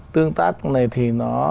tương tác này thì nó